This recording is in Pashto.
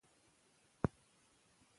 هغه د خپلې مینې د لیدو په هیله هلته لاړ.